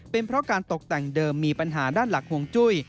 เป็นเพราะการตกแต่งเดิมมีปัญหาด้านหลักห่วงจุ้ย